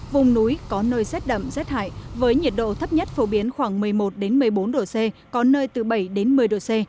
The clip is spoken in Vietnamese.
vùng núi có nơi rét đậm rét hại với nhiệt độ thấp nhất phổ biến khoảng một mươi một một mươi bốn độ c có nơi từ bảy một mươi độ c